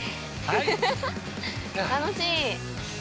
楽しい。